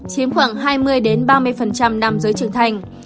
chiếm khoảng hai mươi ba mươi nam giới trưởng thành